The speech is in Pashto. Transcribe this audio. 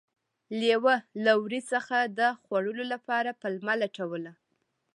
لیوه له وري څخه د خوړلو لپاره پلمه لټوله.